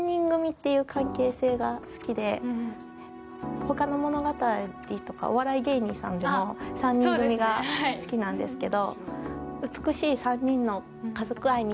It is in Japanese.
他の物語とか、お笑い芸人さんでも、３人組が好きなんですけど。